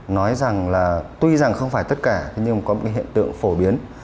nói rằng là tuy rằng không phải tất cả nhưng mà có một hiện tượng phổ biến